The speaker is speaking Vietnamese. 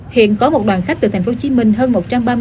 hiện có một đoàn khách từ tp hcm hơn một trăm ba mươi